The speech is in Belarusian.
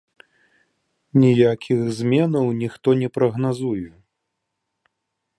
Ніякіх зменаў ніхто не прагназуе.